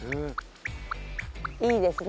いいですね。